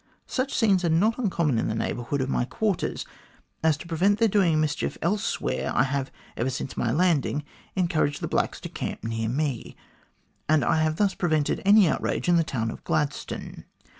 Such scenes are not uncommon in the neighbourhood of my quarters, as to prevent their doing mischief elsewhere, I have, ever since my landing, encouraged the blacks to camp near me,, and I have thus prevented any outrage in the town of Gladstone.